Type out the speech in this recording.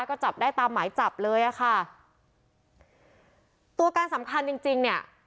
ก็จับได้ตามหมายจับเลยอ่ะค่ะตัวการสำคัญจริงจริงเนี่ย